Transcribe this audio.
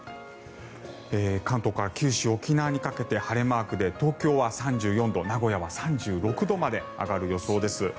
関東から九州、沖縄にかけて晴れマークで東京は３４度名古屋は３６度まで上がる予想です。